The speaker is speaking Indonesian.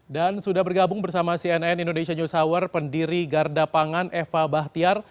dan sudah bergabung bersama cnn indonesia news hour pendiri garda pangan eva bahtiar